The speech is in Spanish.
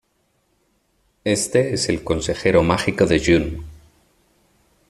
Éste es el consejero mágico de June.